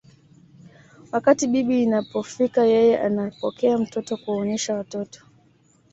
Wakati bibi inapofika yeye anapokea mtoto kuwaonyesha watoto